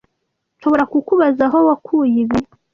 Nshobora kukubaza aho wakuye ibi?